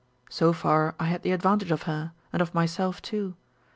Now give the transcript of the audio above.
So far I had the advantage of her, and of myself too.